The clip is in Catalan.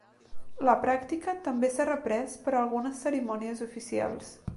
La pràctica també s'ha reprès per algunes cerimònies oficials.